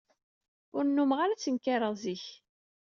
Ur nnummeɣ ara ttenkareɣ zik.